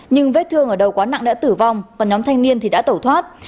nhưng vết thương ở đầu quá nặng đã tử vong và nhóm thanh niên thì đã tẩu thoát